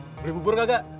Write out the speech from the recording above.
beli bubur gak